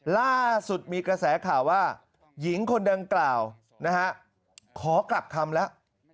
ล่าสุดมีกระแสข่าวว่าหญิงคนดังกล่าวนะฮะขอกลับคำแล้ว